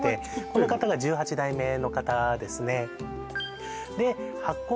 この方が１８代目の方ですねで醗酵